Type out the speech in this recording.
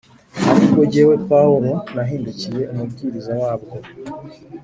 ari bwo jyewe Pawulo nahindukiye umubwiriza wabwo